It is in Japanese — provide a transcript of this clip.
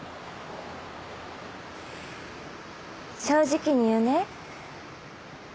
正直に言うね。